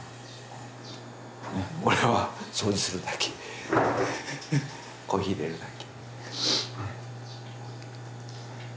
俺は掃除するだけコーヒーいれるだけ。